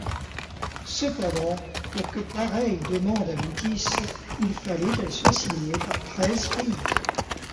Cependant, pour que pareille demande aboutisse, il fallait qu’elle soit signée par treize pays.